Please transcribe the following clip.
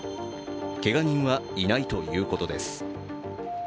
けが人はいないということです。